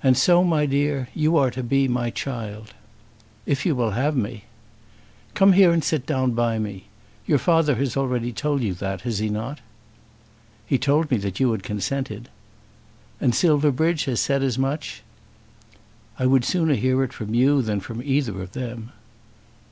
"And so, my dear, you are to be my child." "If you will have me." "Come here and sit down by me. Your father has already told you that; has he not?" "He has told me that you had consented." "And Silverbridge has said as much?" "I would sooner hear it from you than from either of them."